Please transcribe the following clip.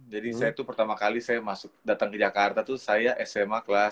jadi saya tuh pertama kali saya datang ke jakarta tuh saya sma kelas satu